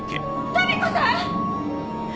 民子さん！